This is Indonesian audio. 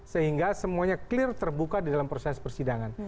sehingga semuanya clear terbuka di dalam proses persidangan